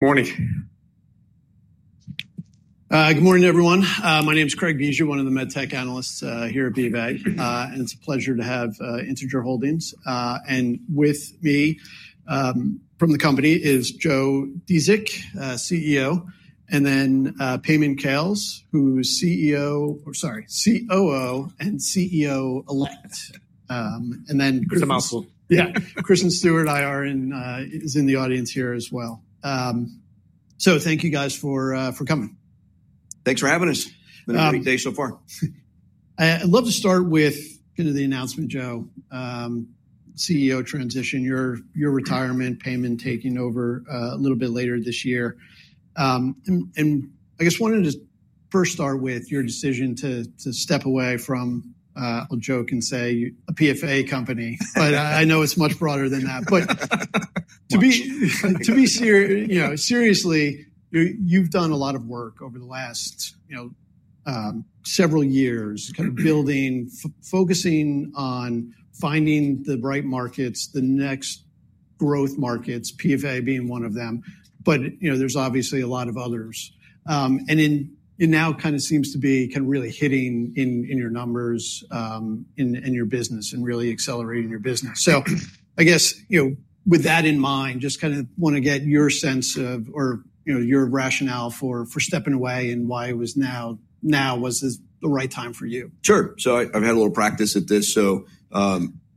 Morning. Good morning, everyone. My name is Craig Bijou, one of the medtech analysts here at BofA. It's a pleasure to have Integer Holdings. With me from the company is Joe Dziedzic, CEO, and then Payman Khales, who's COO and CEO elect. Kristen Mossel. Yeah, Kristen Stewart is in the audience here as well. So thank you, guys, for coming. Thanks for having us. It's been a great day so far. I'd love to start with kind of the announcement, Joe, CEO transition, your retirement, Payman taking over a little bit later this year. I just wanted to first start with your decision to step away from, I'll joke and say, a PFA company. I know it's much broader than that. To be serious, you've done a lot of work over the last several years, kind of building, focusing on finding the right markets, the next growth markets, PFA being one of them. There's obviously a lot of others. You now kind of seem to be really hitting in your numbers and your business and really accelerating your business. I guess with that in mind, just kind of want to get your sense of, or your rationale for stepping away and why now was the right time for you. Sure. I've had a little practice at this.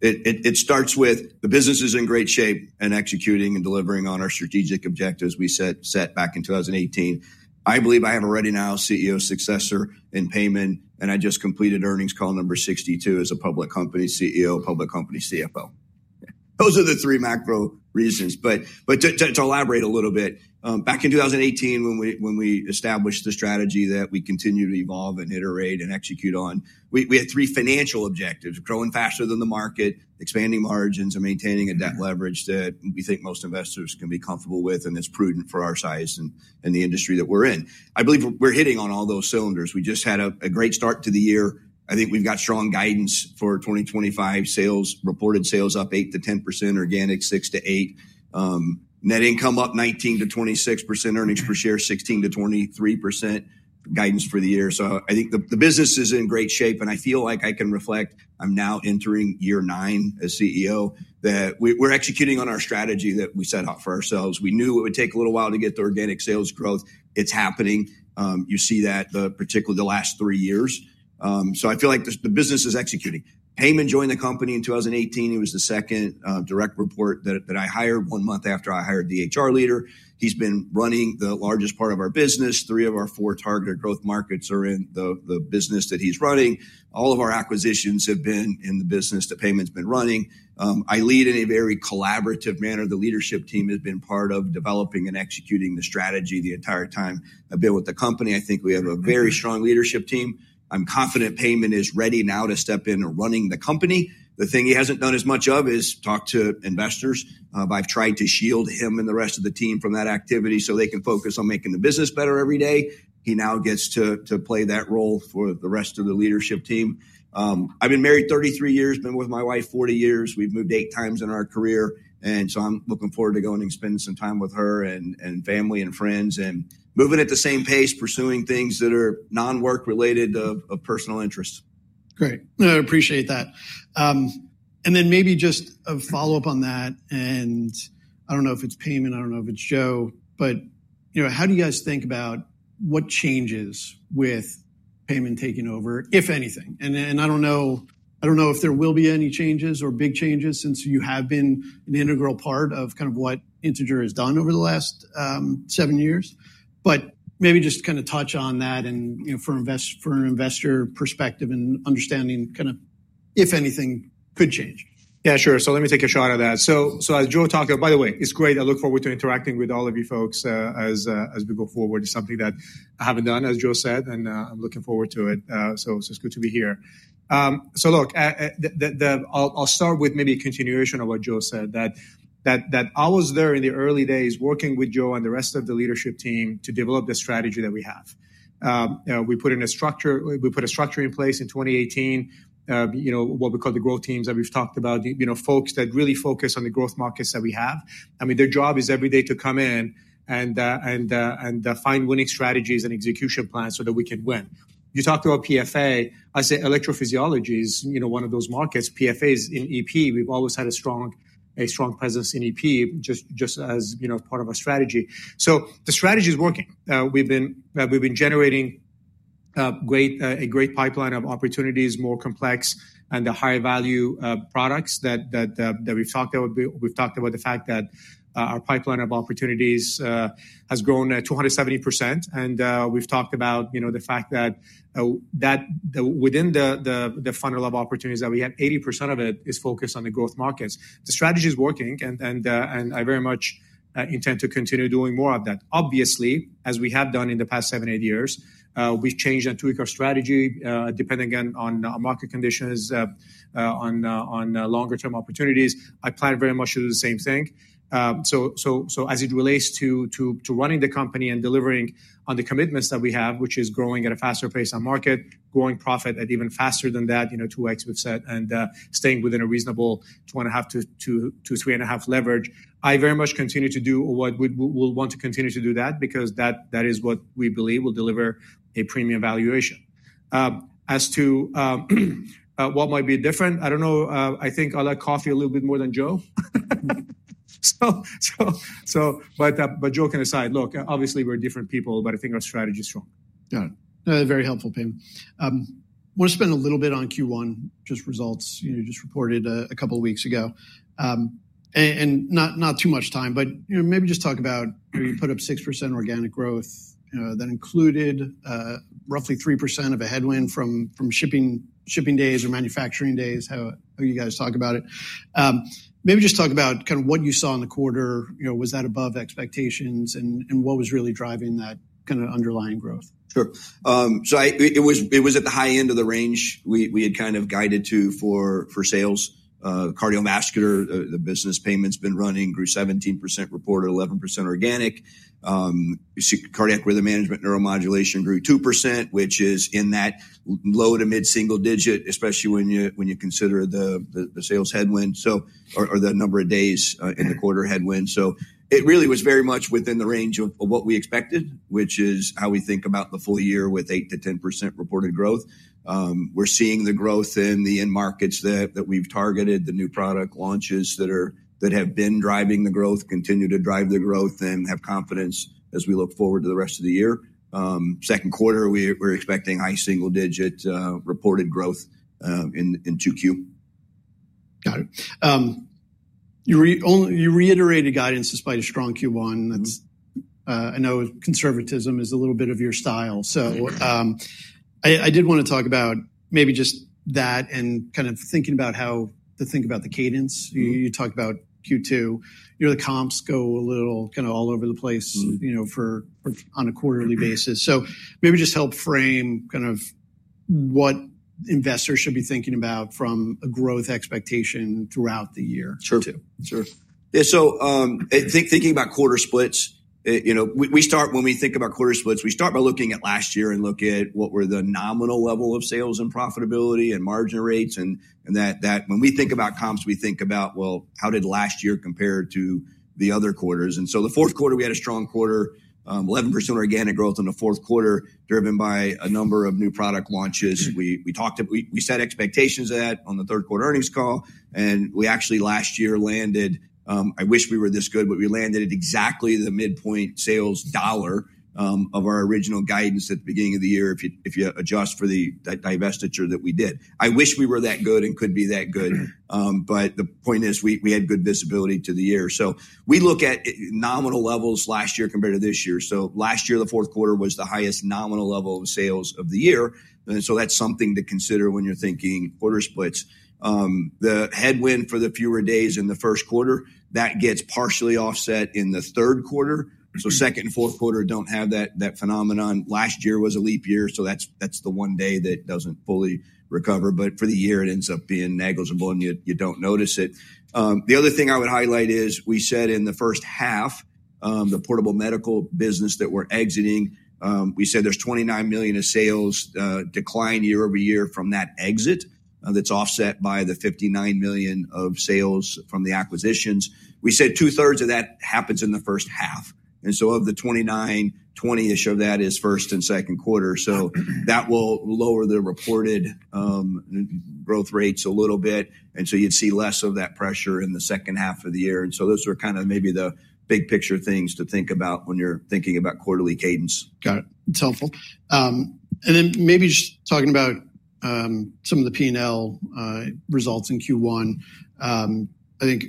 It starts with the business is in great shape and executing and delivering on our strategic objectives we set back in 2018. I believe I have a ready now CEO successor in Payman. I just completed earnings call number 62 as a public company CEO, public company CFO. Those are the three macro reasons. To elaborate a little bit, back in 2018, when we established the strategy that we continue to evolve and iterate and execute on, we had three financial objectives: growing faster than the market, expanding margins, and maintaining a debt leverage that we think most investors can be comfortable with and that's prudent for our size and the industry that we're in. I believe we're hitting on all those cylinders. We just had a great start to the year. I think we've got strong guidance for 2025 sales, reported sales up 8%-10%, organic 6%-8%, net income up 19%-26%, earnings per share 16%-23%, guidance for the year. I think the business is in great shape. I feel like I can reflect I'm now entering year nine as CEO, that we're executing on our strategy that we set out for ourselves. We knew it would take a little while to get the organic sales growth. It's happening. You see that particularly the last three years. I feel like the business is executing. Payman joined the company in 2018. He was the second direct report that I hired one month after I hired the HR leader. He's been running the largest part of our business. Three of our four targeted growth markets are in the business that he's running. All of our acquisitions have been in the business that Payman's been running. I lead in a very collaborative manner. The leadership team has been part of developing and executing the strategy the entire time I've been with the company. I think we have a very strong leadership team. I'm confident Payman is ready now to step into running the company. The thing he hasn't done as much of is talk to investors. I've tried to shield him and the rest of the team from that activity so they can focus on making the business better every day. He now gets to play that role for the rest of the leadership team. I've been married 33 years, been with my wife 40 years. We've moved eight times in our career. I'm looking forward to going and spending some time with her and family and friends and moving at the same pace, pursuing things that are non-work related of personal interest. Great. I appreciate that. Maybe just a follow-up on that. I do not know if it is Payman. I do not know if it is Joe. How do you guys think about what changes with Payman taking over, if anything? I do not know if there will be any changes or big changes since you have been an integral part of what Integer has done over the last seven years. Maybe just touch on that for an investor perspective and understanding if anything could change. Yeah, sure. Let me take a shot at that. As Joe talked about, by the way, it's great. I look forward to interacting with all of you folks as we go forward. It's something that I haven't done, as Joe said. I'm looking forward to it. It's good to be here. I'll start with maybe a continuation of what Joe said, that I was there in the early days working with Joe and the rest of the leadership team to develop the strategy that we have. We put a structure in place in 2018, what we call the growth teams that we've talked about, folks that really focus on the growth markets that we have. I mean, their job is every day to come in and find winning strategies and execution plans so that we can win. You talked about PFA. I say electrophysiology is one of those markets. PFA is in EP. We've always had a strong presence in EP, just as part of our strategy. The strategy is working. We've been generating a great pipeline of opportunities, more complex and the higher value products that we've talked about. We've talked about the fact that our pipeline of opportunities has grown 270%. We've talked about the fact that within the funnel of opportunities that we have, 80% of it is focused on the growth markets. The strategy is working. I very much intend to continue doing more of that. Obviously, as we have done in the past seven, eight years, we've changed our strategy depending on market conditions, on longer-term opportunities. I plan very much to do the same thing. As it relates to running the company and delivering on the commitments that we have, which is growing at a faster pace on market, growing profit at even faster than that, 2X, we've said, and staying within a reasonable 2.5-3.5 leverage, I very much continue to do what we'll want to continue to do that because that is what we believe will deliver a premium valuation. As to what might be different, I don't know. I think I like coffee a little bit more than Joe. But Joe can decide. Look, obviously, we're different people, but I think our strategy is strong. Got it. Very helpful, Payman. I want to spend a little bit on Q1, just results you just reported a couple of weeks ago. Not too much time, but maybe just talk about you put up 6% organic growth. That included roughly 3% of a headwind from shipping days or manufacturing days. How do you guys talk about it? Maybe just talk about kind of what you saw in the quarter. Was that above expectations? What was really driving that kind of underlying growth? Sure. It was at the high end of the range we had kind of guided to for sales. Cardiovascular, the business Payman's been running, grew 17%, reported 11% organic. Cardiac rhythm management, neuromodulation grew 2%, which is in that low to mid-single-digit, especially when you consider the sales headwind or the number of days in the quarter headwind. It really was very much within the range of what we expected, which is how we think about the full year with 8%-10% reported growth. We're seeing the growth in the end markets that we've targeted, the new product launches that have been driving the growth, continue to drive the growth, and have confidence as we look forward to the rest of the year. Second quarter, we're expecting high single digit reported growth in Q2. Got it. You reiterated guidance despite a strong Q1. I know conservatism is a little bit of your style. I did want to talk about maybe just that and kind of thinking about how to think about the cadence. You talked about Q2. Your comps go a little kind of all over the place on a quarterly basis. Maybe just help frame kind of what investors should be thinking about from a growth expectation throughout the year Q2. Sure. Thinking about quarter splits, we start when we think about quarter splits, we start by looking at last year and look at what were the nominal level of sales and profitability and margin rates. When we think about comps, we think about, well, how did last year compare to the other quarters? The fourth quarter, we had a strong quarter, 11% organic growth in the fourth quarter driven by a number of new product launches. We set expectations of that on the third quarter earnings call. We actually last year landed, I wish we were this good, but we landed at exactly the midpoint sales dollar of our original guidance at the beginning of the year if you adjust for the divestiture that we did. I wish we were that good and could be that good. The point is we had good visibility to the year. We look at nominal levels last year compared to this year. Last year, the fourth quarter was the highest nominal level of sales of the year. That is something to consider when you're thinking quarter splits. The headwind for the fewer days in the first quarter gets partially offset in the third quarter. Second and fourth quarter do not have that phenomenon. Last year was a leap year. That is the one day that does not fully recover. For the year, it ends up being negligible and you do not notice it. The other thing I would highlight is we said in the first half, the portable medical business that we're exiting, we said there's $29 million of sales decline year over year from that exit that's offset by the $59 million of sales from the acquisitions. We said two-thirds of that happens in the first half. Of the $29 million, $20 million-ish of that is first and second quarter. That will lower the reported growth rates a little bit. You'd see less of that pressure in the second half of the year. Those are kind of maybe the big picture things to think about when you're thinking about quarterly cadence. Got it. That's helpful. Maybe just talking about some of the P&L results in Q1, I think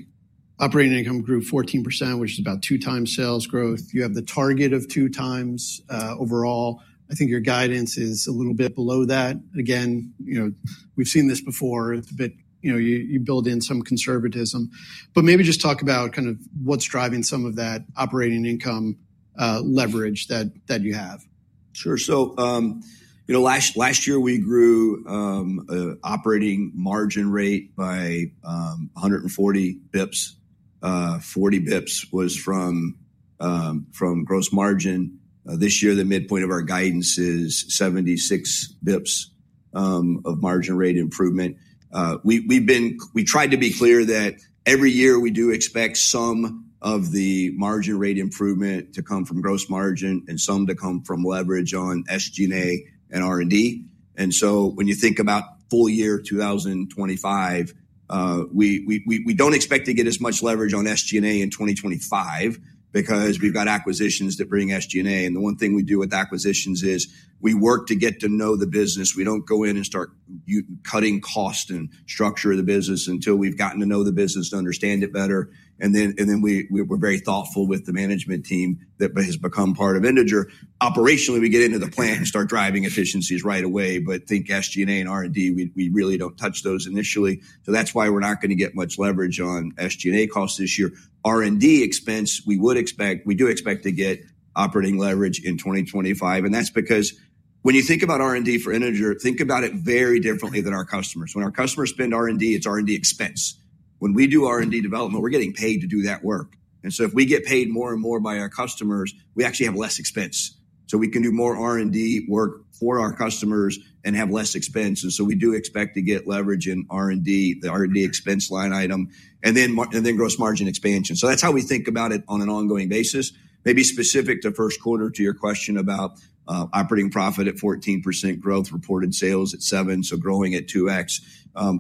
operating income grew 14%, which is about two times sales growth. You have the target of two times overall. I think your guidance is a little bit below that. Again, we've seen this before, but you build in some conservatism. Maybe just talk about kind of what's driving some of that operating income leverage that you have. Sure. Last year, we grew operating margin rate by 140 basis points. Forty basis points was from gross margin. This year, the midpoint of our guidance is 76 basis points of margin rate improvement. We tried to be clear that every year we do expect some of the margin rate improvement to come from gross margin and some to come from leverage on SG&A and R&D. When you think about full year 2025, we do not expect to get as much leverage on SG&A in 2025 because we have acquisitions that bring SG&A. The one thing we do with acquisitions is we work to get to know the business. We do not go in and start cutting cost and structure of the business until we have gotten to know the business to understand it better. We are very thoughtful with the management team that has become part of Integer. Operationally, we get into the plan and start driving efficiencies right away. Think SG&A and R&D, we really do not touch those initially. That is why we are not going to get much leverage on SG&A costs this year. R&D expense, we do expect to get operating leverage in 2025. That is because when you think about R&D for Integer, think about it very differently than our customers. When our customers spend R&D, it is R&D expense. When we do R&D development, we are getting paid to do that work. If we get paid more and more by our customers, we actually have less expense. We can do more R&D work for our customers and have less expense. We do expect to get leverage in R&D, the R&D expense line item, and then gross margin expansion. That is how we think about it on an ongoing basis. Maybe specific to first quarter to your question about operating profit at 14% growth, reported sales at 7%, so growing at 2X.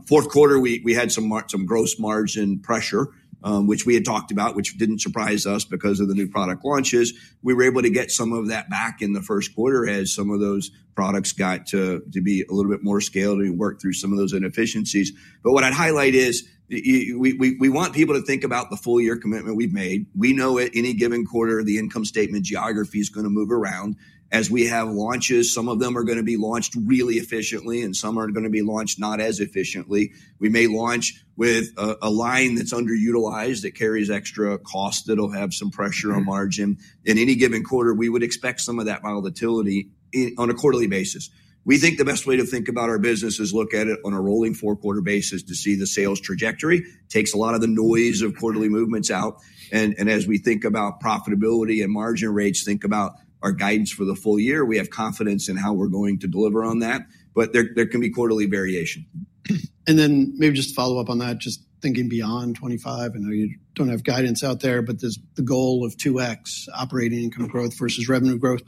Fourth quarter, we had some gross margin pressure, which we had talked about, which did not surprise us because of the new product launches. We were able to get some of that back in the first quarter as some of those products got to be a little bit more scaled and we worked through some of those inefficiencies. What I would highlight is we want people to think about the full year commitment we have made. We know at any given quarter, the income statement geography is going to move around. As we have launches, some of them are going to be launched really efficiently and some are going to be launched not as efficiently. We may launch with a line that's underutilized that carries extra cost that'll have some pressure on margin. In any given quarter, we would expect some of that volatility on a quarterly basis. We think the best way to think about our business is look at it on a rolling four-quarter basis to see the sales trajectory. It takes a lot of the noise of quarterly movements out. As we think about profitability and margin rates, think about our guidance for the full year. We have confidence in how we're going to deliver on that. There can be quarterly variation. Maybe just to follow up on that, just thinking beyond 2025, I know you do not have guidance out there, but there is the goal of 2X operating income growth versus revenue growth.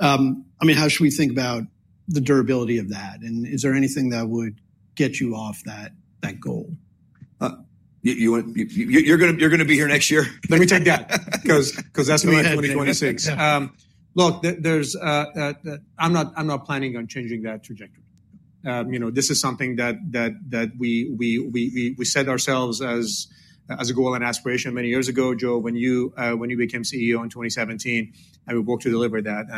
I mean, how should we think about the durability of that? Is there anything that would get you off that goal? You're going to be here next year. Let me take that because that's my 2026. Look, I'm not planning on changing that trajectory. This is something that we set ourselves as a goal and aspiration many years ago, Joe, when you became CEO in 2017. And we worked to deliver that.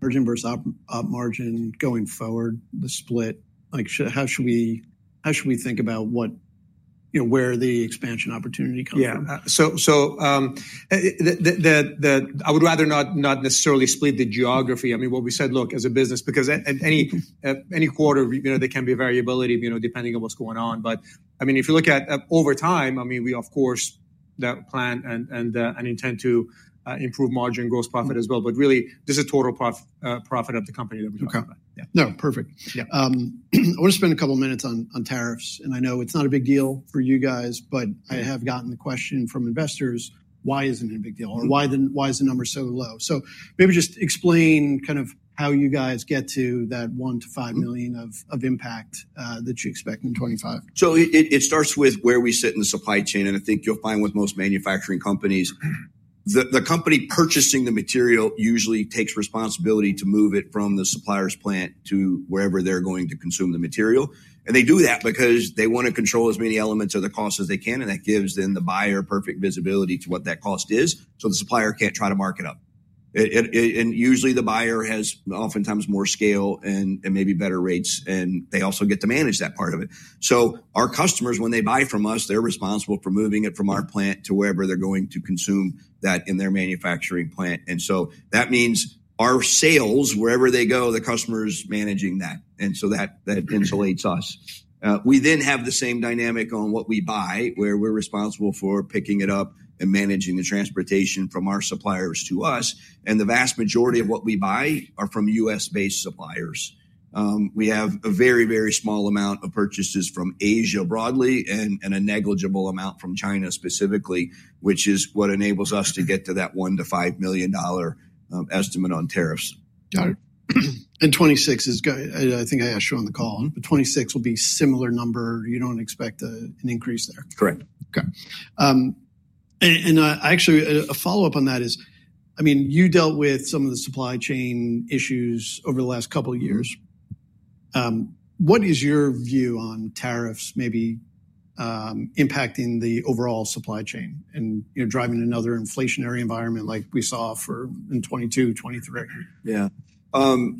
Margin versus up margin going forward, the split, how should we think about where the expansion opportunity comes from? Yeah. I would rather not necessarily split the geography. I mean, what we said, look, as a business, because any quarter, there can be variability depending on what's going on. I mean, if you look at over time, I mean, we, of course, plan and intend to improve margin and gross profit as well. Really, this is total profit of the company that we're talking about. Yeah. No, perfect. I want to spend a couple of minutes on tariffs. I know it's not a big deal for you guys, but I have gotten the question from investors, why isn't it a big deal? Why is the number so low? Maybe just explain kind of how you guys get to that $1 million-$5 million of impact that you expect in 2025. It starts with where we sit in the supply chain. I think you'll find with most manufacturing companies, the company purchasing the material usually takes responsibility to move it from the supplier's plant to wherever they're going to consume the material. They do that because they want to control as many elements of the cost as they can. That gives them the buyer perfect visibility to what that cost is. The supplier cannot try to mark it up. Usually, the buyer has oftentimes more scale and maybe better rates. They also get to manage that part of it. Our customers, when they buy from us, they're responsible for moving it from our plant to wherever they're going to consume that in their manufacturing plant. That means our sales, wherever they go, the customer's managing that. That insulates us. We then have the same dynamic on what we buy, where we're responsible for picking it up and managing the transportation from our suppliers to us. The vast majority of what we buy are from U.S.-based suppliers. We have a very, very small amount of purchases from Asia broadly and a negligible amount from China specifically, which is what enables us to get to that $1 million-$5 million estimate on tariffs. Got it. 2026 is, I think I asked you on the call, but 2026 will be a similar number. You do not expect an increase there. Correct. Okay. Actually, a follow-up on that is, I mean, you dealt with some of the supply chain issues over the last couple of years. What is your view on tariffs maybe impacting the overall supply chain and driving another inflationary environment like we saw in 2022, 2023? Yeah. I'm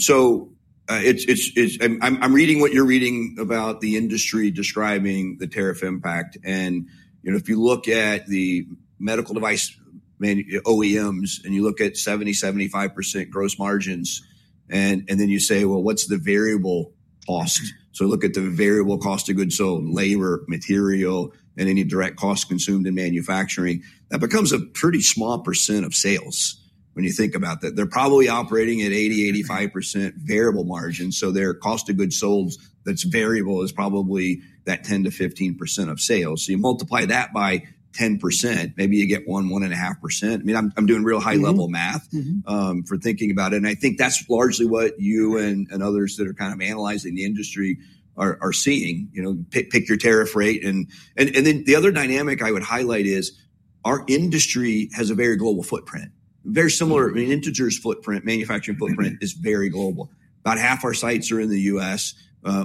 reading what you're reading about the industry describing the tariff impact. If you look at the medical device OEMs and you look at 70-75% gross margins, and then you say, what's the variable cost? Look at the variable cost of goods, so labor, material, and any direct cost consumed in manufacturing. That becomes a pretty small percent of sales when you think about that. They're probably operating at 80-85% variable margin. Their cost of goods sold that's variable is probably that 10-15% of sales. You multiply that by 10%, maybe you get 1-1.5%. I mean, I'm doing real high-level math for thinking about it. I think that's largely what you and others that are kind of analyzing the industry are seeing. Pick your tariff rate. The other dynamic I would highlight is our industry has a very global footprint. Very similar. I mean, Integer's footprint, manufacturing footprint is very global. About half our sites are in the U.S.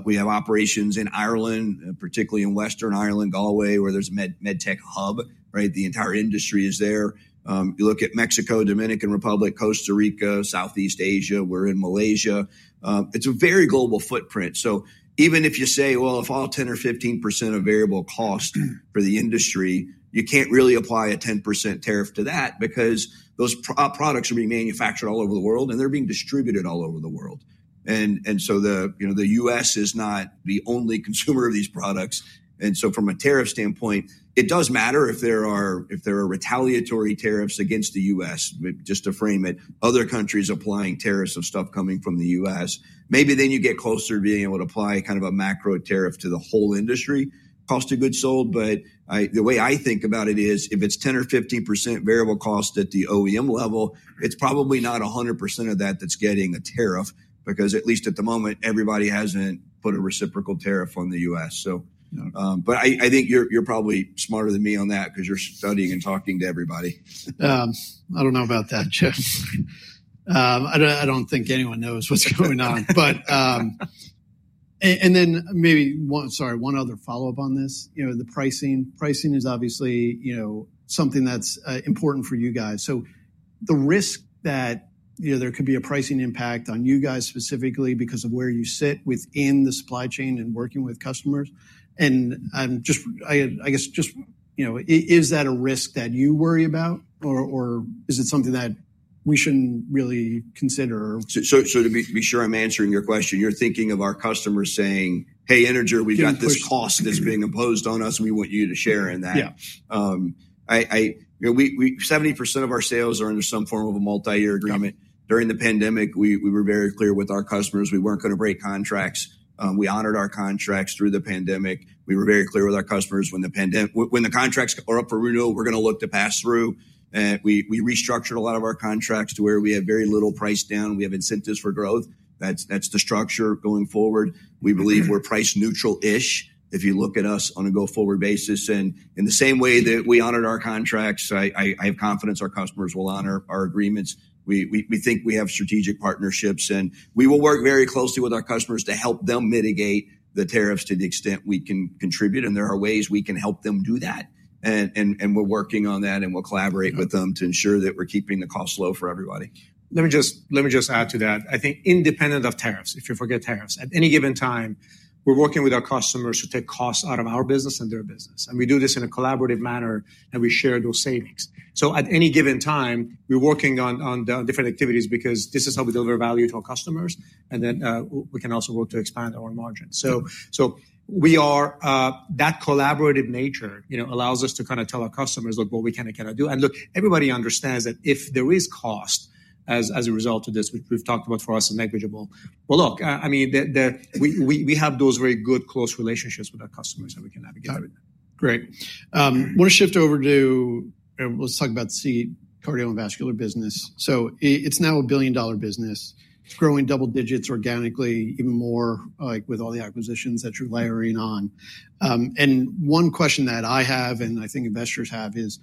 We have operations in Ireland, particularly in Western Ireland, Galway, where there is a med tech hub. The entire industry is there. You look at Mexico, Dominican Republic, Costa Rica, Southeast Asia. We are in Malaysia. It is a very global footprint. Even if you say, well, if all 10% or 15% of variable cost for the industry, you cannot really apply a 10% tariff to that because those products are being manufactured all over the world and they are being distributed all over the world. The U.S. is not the only consumer of these products. From a tariff standpoint, it does matter if there are retaliatory tariffs against the U.S., just to frame it, other countries applying tariffs on stuff coming from the U.S. Maybe then you get closer to being able to apply kind of a macro tariff to the whole industry cost of goods sold. The way I think about it is if it's 10% or 15% variable cost at the OEM level, it's probably not 100% of that that's getting a tariff because at least at the moment, everybody hasn't put a reciprocal tariff on the U.S. I think you're probably smarter than me on that because you're studying and talking to everybody. I don't know about that, Jeff. I don't think anyone knows what's going on. Maybe, sorry, one other follow-up on this. The pricing is obviously something that's important for you guys. The risk that there could be a pricing impact on you guys specifically because of where you sit within the supply chain and working with customers. I guess just, is that a risk that you worry about or is it something that we shouldn't really consider? To be sure I'm answering your question, you're thinking of our customers saying, hey, Integer, we've got this cost that's being imposed on us and we want you to share in that. 70% of our sales are under some form of a multi-year agreement. During the pandemic, we were very clear with our customers. We weren't going to break contracts. We honored our contracts through the pandemic. We were very clear with our customers when the contracts are up for renewal, we're going to look to pass through. We restructured a lot of our contracts to where we have very little price down. We have incentives for growth. That's the structure going forward. We believe we're price neutral-ish if you look at us on a go-forward basis. In the same way that we honored our contracts, I have confidence our customers will honor our agreements. We think we have strategic partnerships and we will work very closely with our customers to help them mitigate the tariffs to the extent we can contribute. There are ways we can help them do that. We are working on that and we will collaborate with them to ensure that we are keeping the cost low for everybody. Let me just add to that. I think independent of tariffs, if you forget tariffs, at any given time, we're working with our customers to take costs out of our business and their business. We do this in a collaborative manner and we share those savings. At any given time, we're working on different activities because this is how we deliver value to our customers. We can also work to expand our margin. That collaborative nature allows us to kind of tell our customers, look, what we kind of cannot do. Everybody understands that if there is cost as a result of this, which we've talked about for us and negligible, I mean, we have those very good close relationships with our customers that we can navigate with them. Great. I want to shift over to, let's talk about the cardiovascular business. It's now a billion-dollar business. It's growing double-digits organically, even more with all the acquisitions that you're layering on. One question that I have and I think investors have is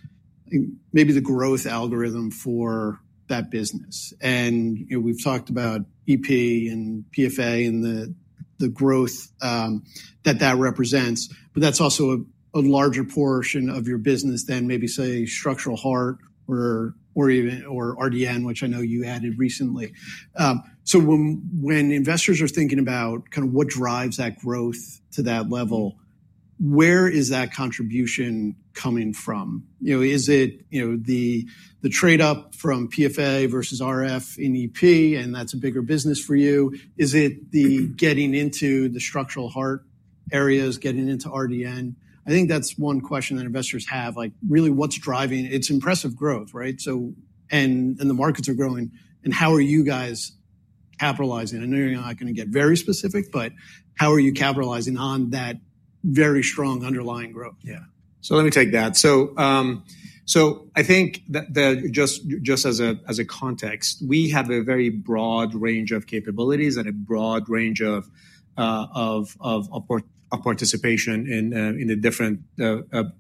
maybe the growth algorithm for that business. We've talked about EP and PFA and the growth that that represents, but that's also a larger portion of your business than maybe, say, structural heart or RDN, which I know you added recently. When investors are thinking about kind of what drives that growth to that level, where is that contribution coming from? Is it the trade-off from PFA versus RF in EP and that's a bigger business for you? Is it the getting into the structural heart areas, getting into RDN? I think that's one question that investors have. Really, what's driving? It's impressive growth, right? The markets are growing. How are you guys capitalizing? I know you're not going to get very specific, but how are you capitalizing on that very strong underlying growth? Yeah. Let me take that. I think just as a context, we have a very broad range of capabilities and a broad range of participation in the different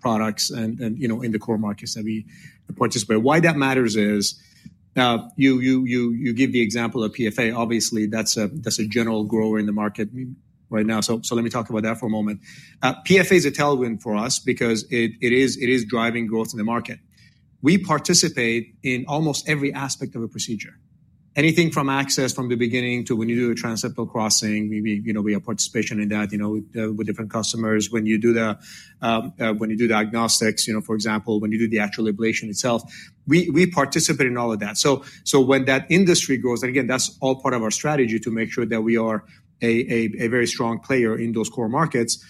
products and in the core markets that we participate. Why that matters is you give the example of PFA. Obviously, that is a general grower in the market right now. Let me talk about that for a moment. PFA is a tailwind for us because it is driving growth in the market. We participate in almost every aspect of a procedure. Anything from access from the beginning to when you do a transseptal crossing, we have participation in that with different customers. When you do diagnostics, for example, when you do the actual ablation itself, we participate in all of that. When that industry grows, and again, that's all part of our strategy to make sure that we are a very strong player in those core markets.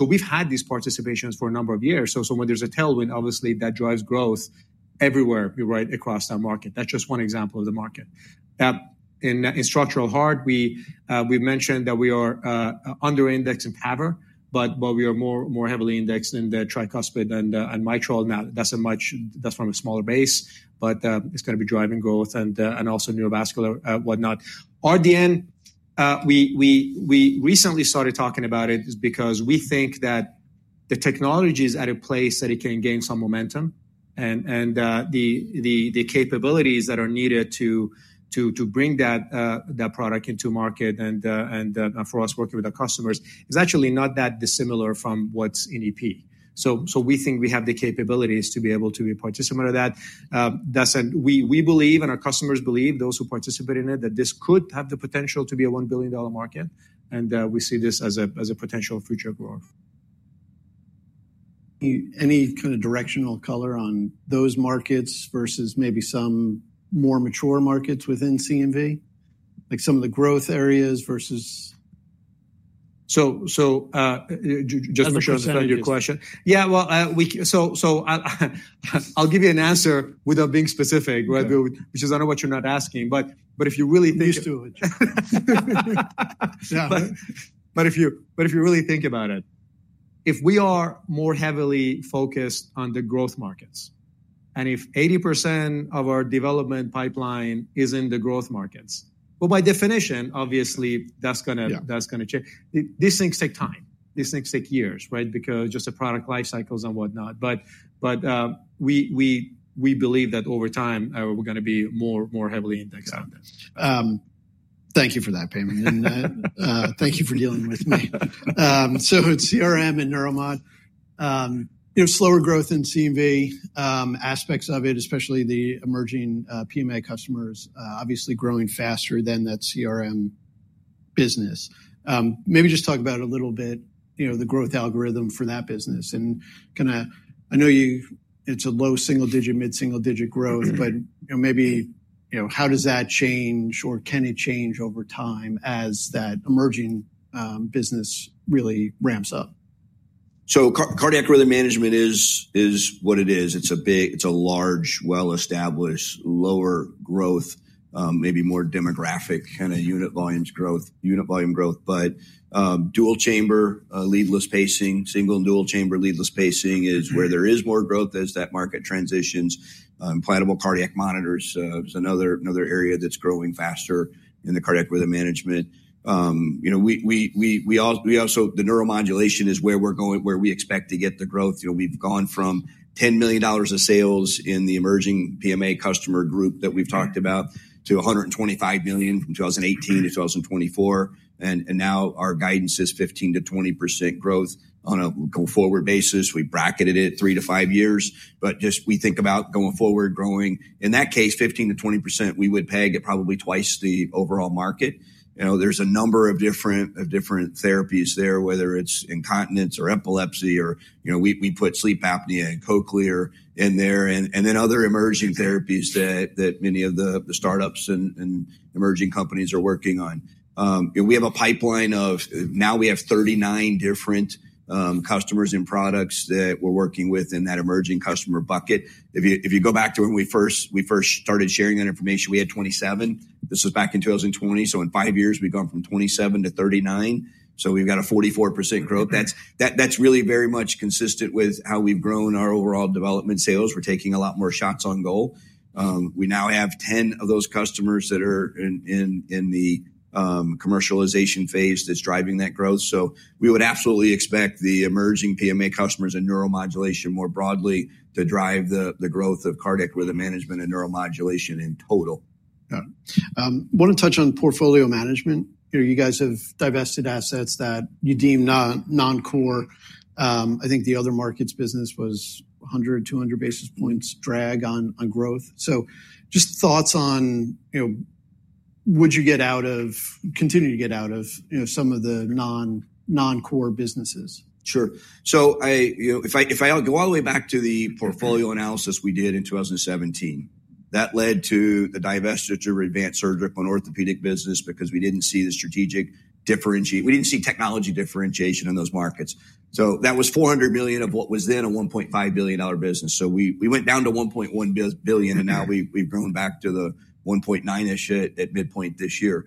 We've had these participations for a number of years. When there's a tailwind, obviously, that drives growth everywhere across that market. That's just one example of the market. In structural heart, we've mentioned that we are under-indexed in TAVR, but we are more heavily indexed in the tricuspid and mitral. Now, that's from a smaller base, but it's going to be driving growth and also neurovascular, whatnot. RDN, we recently started talking about it because we think that the technology is at a place that it can gain some momentum. The capabilities that are needed to bring that product into market and for us working with our customers is actually not that dissimilar from what's in EP. We think we have the capabilities to be able to be a participant of that. We believe and our customers believe, those who participate in it, that this could have the potential to be a $1 billion market. We see this as a potential future growth. Any kind of directional color on those markets versus maybe some more mature markets within CV? Like some of the growth areas versus. Just to further your question. Yeah, I'll give you an answer without being specific, which is I don't know what you're not asking, but if you really think. Used to it. Yeah. If you really think about it, if we are more heavily focused on the growth markets and if 80% of our development pipeline is in the growth markets, well, by definition, obviously, that's going to change. These things take time. These things take years, right? Because just the product life cycles and whatnot. But we believe that over time, we're going to be more heavily indexed on that. Thank you for that, Payman. Thank you for dealing with me. It's CRM and Neuromod. Slower growth in CV, aspects of it, especially the emerging PMA customers, obviously growing faster than that CRM business. Maybe just talk about a little bit the growth algorithm for that business. I know it's a low-single-digit, mid-single-digit growth, but maybe how does that change or can it change over time as that emerging business really ramps up? Cardiac rhythm management is what it is. It is a large, well-established, lower growth, maybe more demographic kind of unit volume growth. Dual chamber, leadless pacing, single and dual chamber leadless pacing is where there is more growth as that market transitions. Implantable cardiac monitors is another area that is growing faster in the cardiac rhythm management. The neuromodulation is where we are going, where we expect to get the growth. We have gone from $10 million of sales in the emerging PMA customer group that we have talked about to $125 million from 2018 to 2024. Now our guidance is 15%-20% growth on a forward basis. We bracketed it three to five years, but just as we think about going forward, growing. In that case, 15%-20%, we would peg at probably twice the overall market. There's a number of different therapies there, whether it's incontinence or epilepsy, or we put sleep apnea and cochlear in there, and then other emerging therapies that many of the startups and emerging companies are working on. We have a pipeline of now we have 39 different customers and products that we're working with in that emerging customer bucket. If you go back to when we first started sharing that information, we had 27. This was back in 2020. In five years, we've gone from 27 to 39. We've got a 44% growth. That's really very much consistent with how we've grown our overall development sales. We're taking a lot more shots on goal. We now have 10 of those customers that are in the commercialization phase that's driving that growth. We would absolutely expect the emerging PMA customers and neuromodulation more broadly to drive the growth of cardiac rhythm management and neuromodulation in total. Yeah. I want to touch on portfolio management. You guys have divested assets that you deem non-core. I think the other market's business was 100-200 basis points drag on growth. So just thoughts on would you get out of, continue to get out of some of the non-core businesses? Sure. If I go all the way back to the portfolio analysis we did in 2017, that led to the divestiture of Advanced Surgical and Orthopedic business because we did not see the strategic differentiation. We did not see technology differentiation in those markets. That was $400 million of what was then a $1.5 billion business. We went down to $1.1 billion, and now we have grown back to the $1.9-ish at midpoint this year.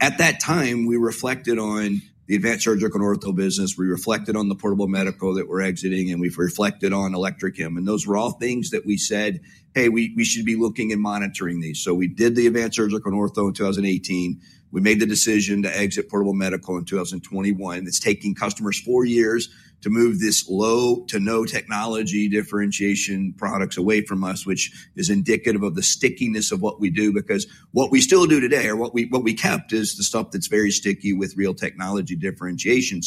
At that time, we reflected on the Advanced Surgical and Ortho business. We reflected on the portable medical that we are exiting, and we reflected on Electromedical. Those were all things that we said, hey, we should be looking and monitoring these. We did the Advanced Surgical and Ortho in 2018. We made the decision to exit portable medical in 2021. It's taking customers four years to move this low to no technology differentiation products away from us, which is indicative of the stickiness of what we do because what we still do today or what we kept is the stuff that's very sticky with real technology differentiation.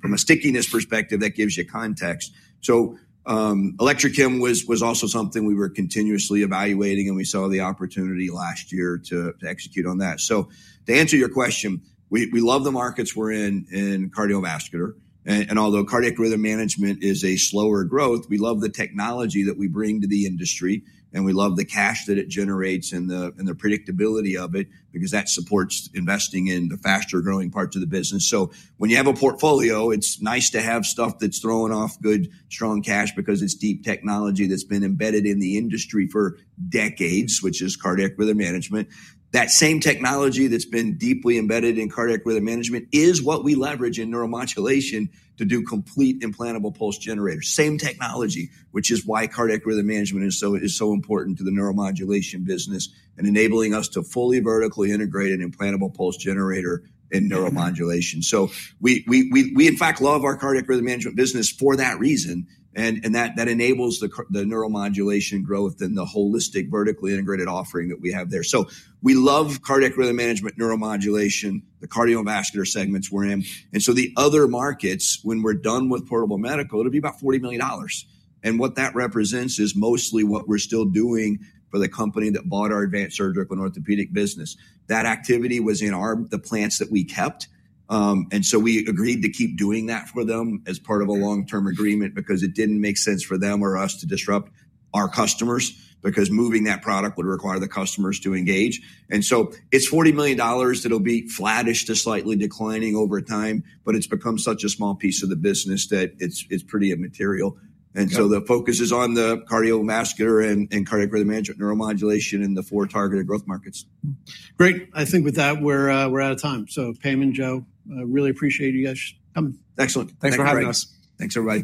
From a stickiness perspective, that gives you context. Electromedical was also something we were continuously evaluating, and we saw the opportunity last year to execute on that. To answer your question, we love the markets we're in in cardiovascular. Although cardiac rhythm management is a slower growth, we love the technology that we bring to the industry, and we love the cash that it generates and the predictability of it because that supports investing in the faster growing parts of the business. When you have a portfolio, it's nice to have stuff that's throwing off good, strong cash because it's deep technology that's been embedded in the industry for decades, which is cardiac rhythm management. That same technology that's been deeply embedded in cardiac rhythm management is what we leverage in neuromodulation to do complete implantable pulse generators. Same technology, which is why cardiac rhythm management is so important to the neuromodulation business and enabling us to fully vertically integrate an implantable pulse generator in neuromodulation. We, in fact, love our cardiac rhythm management business for that reason, and that enables the neuromodulation growth and the holistic vertically integrated offering that we have there. We love cardiac rhythm management, neuromodulation, the cardiovascular segments we're in. The other markets, when we're done with portable medical, it'll be about $40 million. What that represents is mostly what we're still doing for the company that bought our Advanced Surgical and Orthopedic business. That activity was in the plants that we kept. We agreed to keep doing that for them as part of a long-term agreement because it didn't make sense for them or us to disrupt our customers because moving that product would require the customers to engage. It's $40 million that'll be flattish to slightly declining over time, but it's become such a small piece of the business that it's pretty immaterial. The focus is on the cardiovascular and cardiac rhythm management, neuromodulation, and the four targeted growth markets. Great. I think with that, we're out of time. So, Payman, Joe, really appreciate you guys coming. Excellent. Thanks for having us. Thanks, everybody